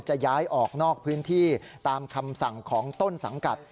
จะย้ายออกนอกพื้นที่ตามคำสั่งของต้นสังกัด